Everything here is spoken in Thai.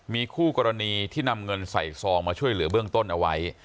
มีคู่กรณีที่นำเงินใส่ซองมาช่วยเหลือเบื้องต้นเอาไว้